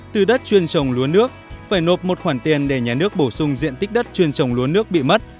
từ đất chuyên trồng lúa nước phải nộp một khoản tiền để nhà nước bổ sung diện tích đất chuyên trồng lúa nước bị mất